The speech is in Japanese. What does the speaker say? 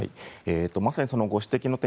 まさにご指摘の点